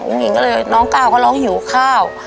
หญิงก็เลยน้องก้าวก็ร้องหิวข้าว